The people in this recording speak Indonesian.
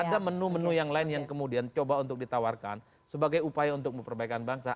ada menu menu yang lain yang kemudian coba untuk ditawarkan sebagai upaya untuk memperbaiki bangsa